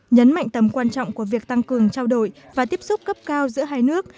nhấn mạnh tầm quan trọng của việc tăng cường trao đổi và tiếp xúc cấp cao giữa hai nước